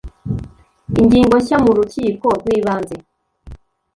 ingingo nshya mu rukiko rw ibanze